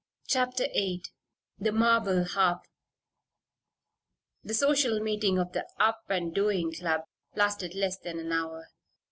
CHAPTER VIII THE MARBLE HARP The social meeting of the Up and Doing Club lasted less than an hour.